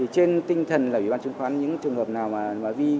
trên tinh thần là ủy ban trung khoán những trường hợp nào mà vi phạm một cách nhiều lần